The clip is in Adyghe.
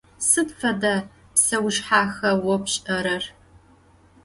Sıd fede pseuşshexa vo pş'erer?